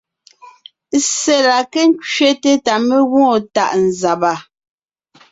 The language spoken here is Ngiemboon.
Ssé la ké ńkẅéte ta mé gwoon tàʼ nzàba.